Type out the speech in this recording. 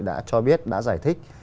đã cho biết đã giải thích